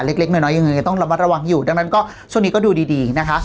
เล็กเล็กหน่อยหน่อยอย่างเงี้ยต้องระมัดระวังอยู่ดังนั้นก็ช่วงนี้ก็ดูดีดีนะคะ